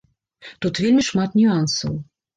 Тут вельмі шмат нюансаў.